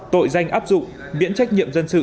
tội danh áp dụng miễn trách nhiệm dân sự